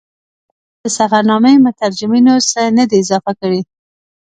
د ده د سفرنامې مترجمینو څه نه دي اضافه کړي.